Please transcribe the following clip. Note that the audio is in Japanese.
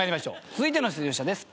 続いての出場者です。